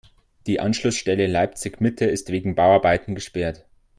Die Anschlussstelle Leipzig-Mitte ist wegen Bauarbeiten gesperrt.